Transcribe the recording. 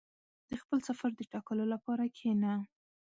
• د خپل سفر د ټاکلو لپاره کښېنه.